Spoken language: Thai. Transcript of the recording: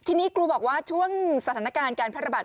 ทีนี้ครูบอกว่าช่วงสถานการณ์การแพร่ระบาด